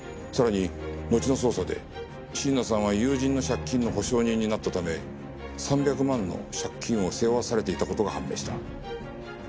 さらにのちの捜査で椎名さんは友人の借金の保証人になったため３００万の借金を背負わされていた事が判明した。